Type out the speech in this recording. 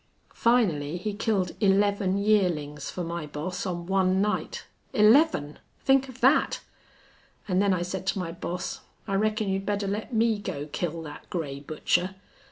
Finally he killed eleven yearlings for my boss on one night. Eleven! Think of that. An' then I said to my boss, 'I reckon you'd better let me go kill that gray butcher.'